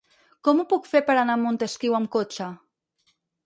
Com ho puc fer per anar a Montesquiu amb cotxe?